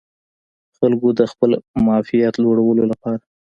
خلکو د خپل معافیت لوړولو لپاره